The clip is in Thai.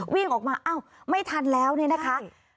วิ่งออกมาไม่ทันแล้วนี่นะคะ